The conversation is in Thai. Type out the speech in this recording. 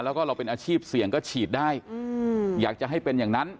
แล้วก็เราเป็นอาชีพเสี่ยงก็ฉีดได้อยากจะให้เป็นอย่างนั้น